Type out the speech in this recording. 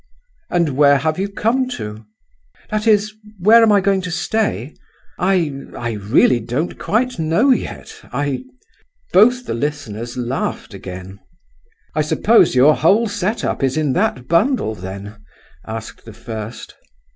"And where have you come to?" "That is—where am I going to stay? I—I really don't quite know yet, I—" Both the listeners laughed again. "I suppose your whole set up is in that bundle, then?" asked the first.